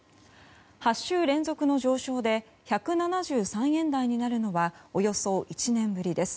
８週連続の上昇で１７３円台になるのはおよそ１年ぶりです。